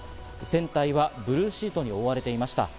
船体はブルーシートに覆われていました。